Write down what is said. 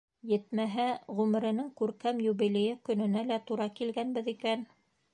Етмәһә, ғүмеренең күркәм юбилейы көнөнә лә тура килгәнбеҙ икән.